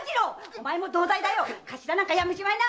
お前も同罪だよ頭なんかやめちまいな！